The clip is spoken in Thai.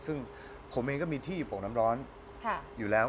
ซึ่งผมเองก็มีที่โป่งน้ำร้อนอยู่แล้ว